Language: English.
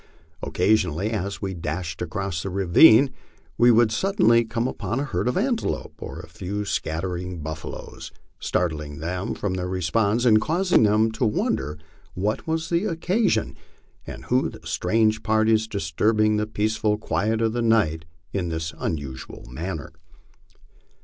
Occasionally, as we dashed across a ravine, we would suddenly come upon a herd of antelopes or a few scattering buffaloes, startling them from their repose and causing them to wonder what was the oc casion and who the strange parties disturbing the peaceful quiet of the night in this unusual manner.